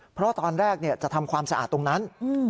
เพราะตอนแรกจะทำความสะอาดตรงนั้น